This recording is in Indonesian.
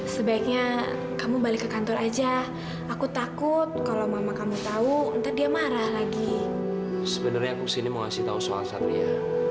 sampai jumpa di video selanjutnya